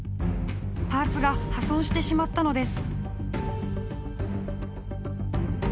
パーツが破損してしまったのです。